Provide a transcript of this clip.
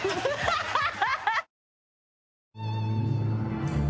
ハハハハ！